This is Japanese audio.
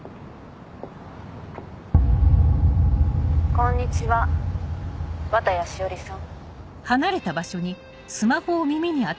こんにちは綿谷詩織さん。